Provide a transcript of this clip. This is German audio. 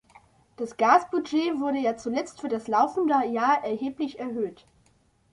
Das Gasbudget wurde ja zuletzt für das laufende Jahr erheblich erhöht.